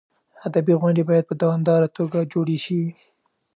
ادبي غونډې باید په دوامداره توګه جوړې شي.